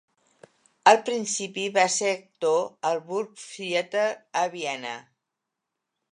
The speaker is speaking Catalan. Al principi, va ser actor al Burgtheater a Viena.